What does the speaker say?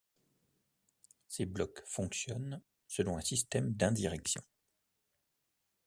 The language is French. Ces blocs fonctionnent selon un système d'indirection.